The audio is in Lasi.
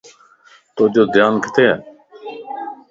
توجو ڌيان ڪٿي؟